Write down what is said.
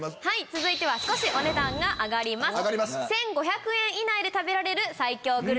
続いては少しお値段が上がります。